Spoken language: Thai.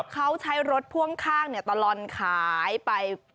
เขาใช้รถพ่วงข้างตลอดขายไป